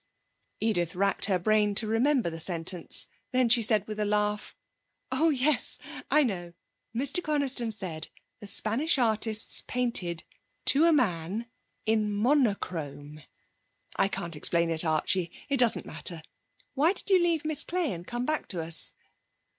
Edith racked her brain to remember the sentence. Then she said, with a laugh: 'Oh yes, I know! Mr Coniston said: "The Spanish artists painted to a man in monochrome." I can't explain it, Archie. It doesn't matter. Why did you leave Miss Clay and come back to us?'